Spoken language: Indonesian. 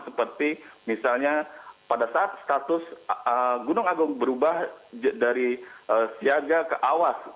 seperti misalnya pada saat status gunung agung berubah dari siaga ke awas